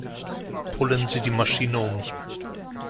Polen Sie die Maschine um!